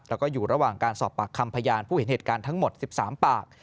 แล้วก็อยู่ระหว่างการสอบปากคำพยานผู้เห็นเหตุการณ์ทั้งหมด๑๓ปาก